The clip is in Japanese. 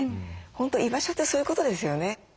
本当居場所ってそういうことですよね。